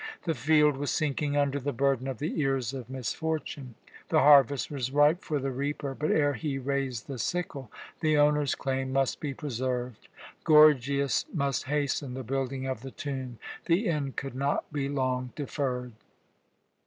The field was sinking under the burden of the ears of misfortune. The harvest was ripe for the reaper; but, ere he raised the sickle, the owner's claim must be preserved. Gorgias must hasten the building of the tomb; the end could not be long deferred.